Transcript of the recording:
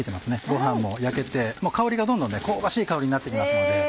ご飯も焼けて香りがどんどん香ばしい香りになって来ますので。